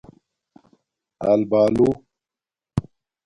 آلبالُو